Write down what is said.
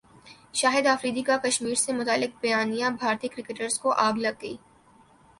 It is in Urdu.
شاہد افریدی کا کشمیر سے متعلق بیانبھارتی کرکٹرز کو اگ لگ گئی